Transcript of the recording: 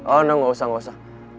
oh enggak gak usah gak usah